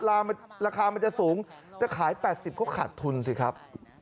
ราคามันจะสูงจะขาย๘๐ก็ขาดทุนสิครับ